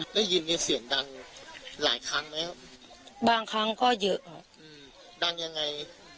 ได้ยินมีเสียงดันหลายครั้งไหมครับบางครั้งก็เยอะครับอืมดันยังไง